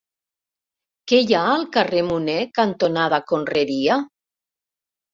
Què hi ha al carrer Munné cantonada Conreria?